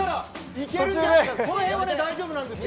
この辺は大丈夫なんですよ。